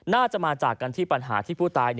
น่าจะมาจากกันที่ปัญหาที่ผู้ตาย